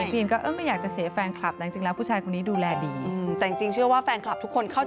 พี่อินก็ไม่อยากจะเสียแฟนคลับ